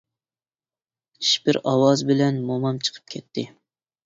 شىپىر ئاۋاز بىلەن مومام چىقىپ كەتتى.